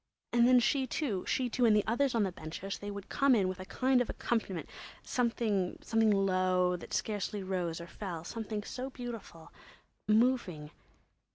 And then she too, she too, and the others on the benches—they would come in with a kind of accompaniment—something low, that scarcely rose or fell, something so beautiful—moving....